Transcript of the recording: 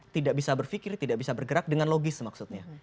tidak bisa berpikir tidak bisa bergerak dengan logis maksudnya